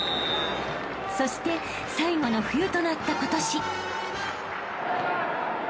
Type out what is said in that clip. ［そして最後の冬となった今年］